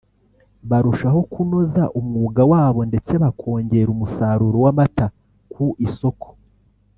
barushaho kunoza umwuga wabo ndetse bakongera umusaruro w’amata ku isoko